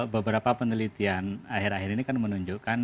beberapa penelitian akhir akhir ini kan menunjukkan